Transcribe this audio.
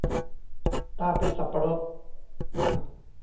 ตาเป็นสับปะรด